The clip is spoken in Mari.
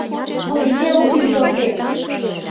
Вожге луктын кудалтем!